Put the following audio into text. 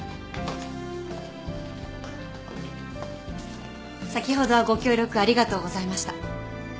先ほどはご協力ありがとうございました。